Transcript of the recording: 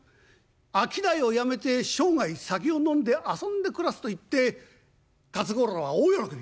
商いをやめて生涯酒を飲んで遊んで暮らすと言って勝五郎は大喜び。